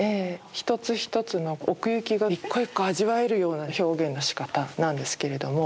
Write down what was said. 一つ一つの奥行きが一個一個味わえるような表現のしかたなんですけれども。